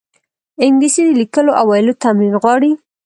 انګلیسي د لیکلو او ویلو تمرین غواړي